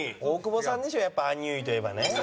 大久保さんでしょやっぱアンニュイといえばね。